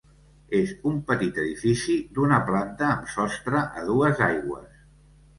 És un petit edifici d'una planta amb sostre a dues aigües.